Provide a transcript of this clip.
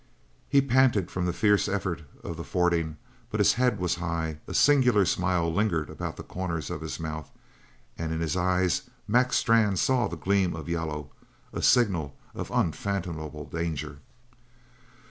He panted from the fierce effort of the fording, but his head was high, a singular smile lingered about the corners of his mouth, and in his eyes Mac Strann saw the gleam of yellow, a signal of unfathomable danger.